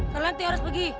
kalian tidak harus pergi